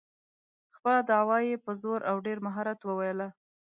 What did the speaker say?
خپله دعوه یې په زور او ډېر مهارت وویله.